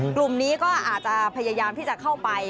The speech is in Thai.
กลุ่มนี้ก็อาจจะพยายามที่จะเข้าไป